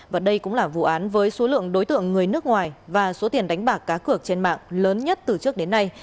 và đây cũng là vụ án với số lượng đối tượng người nước ngoài và số tiền đánh bạc cá cược trên mạng lớn nhất từ trước đến nay